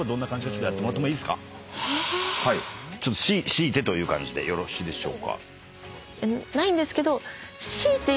強いてという感じでよろしいでしょうか。